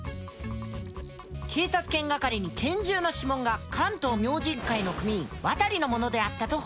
警察犬係に拳銃の指紋が関東明神会の組員渡のものであったと報告が。